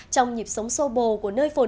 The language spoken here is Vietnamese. trong nhịp sống sô bồ của nơi phổ biến